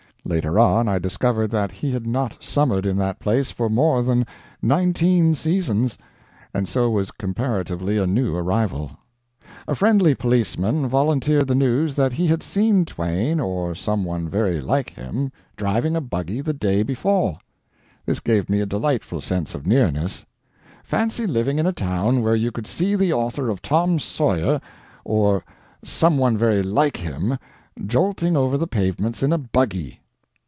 Later on I discovered that he had not summered in that place for more than nineteen seasons, and so was comparatively a new arrival. A friendly policeman volunteered the news that he had seen Twain or "some one very like him" driving[Pg 169] a buggy the day before. This gave me a delightful sense of nearness. Fancy living in a town where you could see the author of Tom Sawyer, or "some one very like him," jolting over the pavements in a buggy!